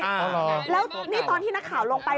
อ๋อเหรอแล้วนี่ตอนที่นักข่าวลงไป